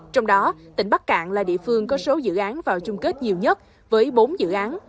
trong đó tỉnh bắc cạn là địa phương có số dự án vào chung kết nhiều nhất với bốn dự án